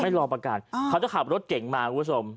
รอประกันเขาจะขับรถเก่งมาคุณผู้ชม